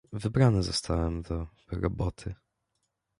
"Wybrany zostałem do „roboty“."